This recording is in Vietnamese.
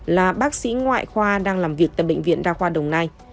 là bác sĩ ngoại khoa đang làm việc tại bệnh viện đa khoa đồng nai